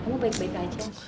kamu baik baik aja